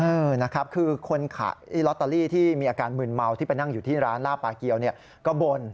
เออนะครับคือคนขายลอตเตอรี่ที่มีอาการมืนเมาที่ไปนั่งอยู่ที่ร้านล่าปลาเกียวเนี่ยก็บ่น